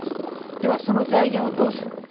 ではその財源をどうするのか。